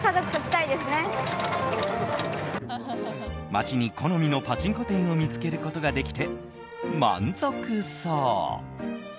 街に好みのパチンコ店を見つけることができて満足そう。